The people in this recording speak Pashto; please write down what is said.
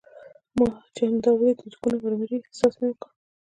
ما چې همدا ولید د سکون او ارامۍ احساس مې وکړ.